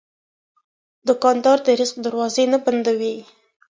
دوکاندار د رزق دروازې نه بندوي.